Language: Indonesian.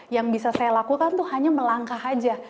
yang bisa saya lakukan itu hanya melangkah aja